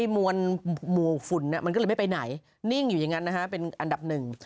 มวลหมู่ฝุ่นมันก็เลยไม่ไปไหนนิ่งอยู่อย่างนั้นนะฮะเป็นอันดับหนึ่ง